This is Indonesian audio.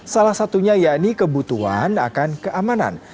salah satunya yakni kebutuhan akan keamanan